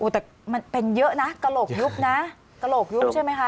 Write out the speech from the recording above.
แต่มันเป็นเยอะนะกระโหลกยุบนะกระโหลกยุบใช่ไหมคะ